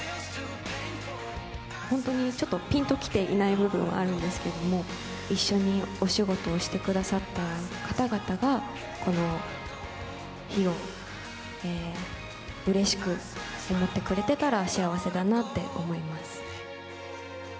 本当にちょっとぴんときていない部分はあるんですけれども、一緒にお仕事をしてくださった方々が、この日を、うれしく思ってくれてたら幸せだなって思います。